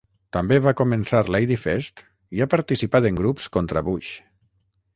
També va començar Ladyfest i ha participat en Grups contra Bush.